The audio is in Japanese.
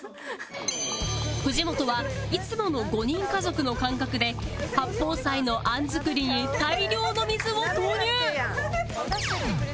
藤本はいつもの５人家族の感覚で八宝菜のあん作りに大量の水を投入